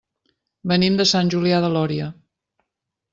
Venim de Sant Julià de Lòria.